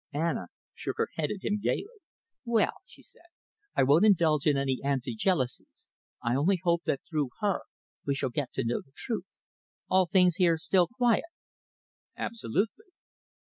Anna shook her head at him gaily. "Well," she said, "I won't indulge in any ante jealousies. I only hope that through her we shall get to know the truth. Are things here still quiet?" "Absolutely."